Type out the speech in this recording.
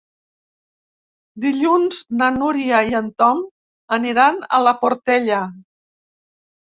Dilluns na Núria i en Tom aniran a la Portella.